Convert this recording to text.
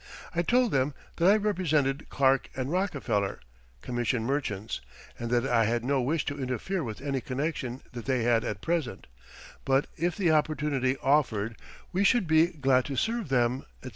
I told them that I represented Clark & Rockefeller, commission merchants, and that I had no wish to interfere with any connection that they had at present, but if the opportunity offered we should be glad to serve them, etc.